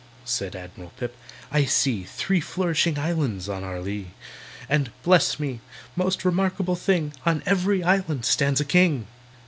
said ADMIRAL PIP, "I see Three flourishing islands on our lee. And, bless me! most remarkable thing! On every island stands a king!